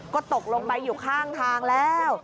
ก็ตกลงไปอยู่ข้างทางแล้ว